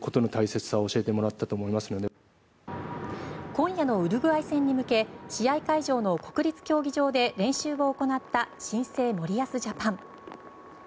今夜のウルグアイ戦に向け試合会場の国立競技場で練習を行った新生森保ジャパン。